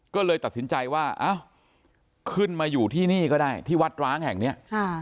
ก็เลยตัดสินใจว่าขึ้นมาอยู่ที่นี่ก็ได้ที่วัดร้างแห่งนี้